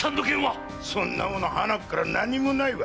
そんなものはなっから何もないわ！